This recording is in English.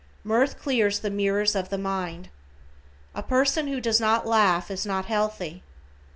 Mirth clears the mirrors of the mind. A person who does not laugh is not healthy.